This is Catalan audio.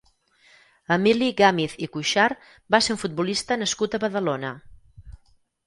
Emili Gàmiz i Cuixart va ser un futbolista nascut a Badalona.